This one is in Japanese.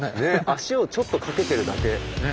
足をちょっと掛けてるだけ。